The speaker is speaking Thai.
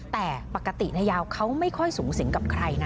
แต่ปกตินายาวเขาไม่ค่อยสูงสิงกับใครนะ